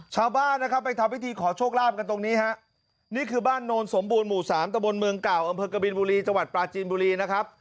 ชาวบ้านนะครับไปทำพิธีขอโชคลาภกันตรงนี้ฮะนี่คือบ้านโนนสมบูรณหมู่สามตะบนเมืองเก่าอำเภอกบินบุรีจังหวัดปลาจีนบุรีนะครับ